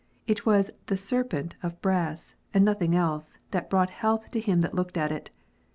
It was the serpent of brass, and nothing else, that brought health to him that looked at it.